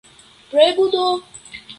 Preĝu do!